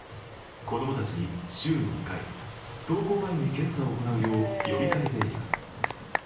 子供たちに週２回、登校前に検査を行うよう呼びかけています。